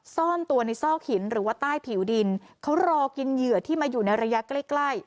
ซ่อนตัวในซอกหินหรือว่าใต้ผิวดินเขารอกินเหยื่อที่มาอยู่ในระยะใกล้ใกล้